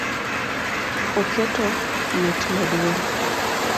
Oketo mit madung’